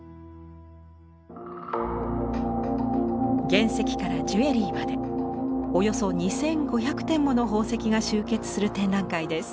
原石からジュエリーまでおよそ２，５００点もの宝石が集結する展覧会です。